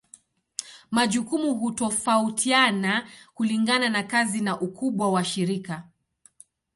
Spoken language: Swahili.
Majukumu hutofautiana kulingana na kazi na ukubwa wa shirika.